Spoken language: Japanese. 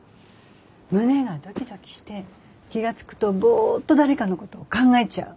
胸がドキドキして気が付くとボーッと誰かのことを考えちゃう。